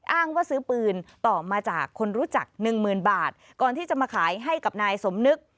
อ้างว่าซื้อปืนต่อมาจากคนรู้จักหนึ่งหมื่นบาทก่อนที่จะมาขายให้กับนายสมนึก